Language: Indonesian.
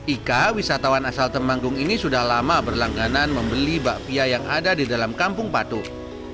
ika wisatawan asal temanggung ini sudah lama berlangganan membeli bakpia yang ada di dalam kampung patuh